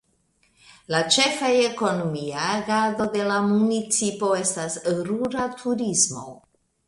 La ĉefa ekonomia agado de la municipo estas rura turismo.